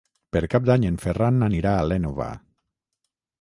Per Cap d'Any en Ferran anirà a l'Énova.